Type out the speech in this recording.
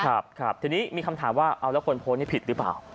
ครับทีนี้มีคำถามว่าเอาแล้วคนโพสต์นี่ผิดหรือเปล่า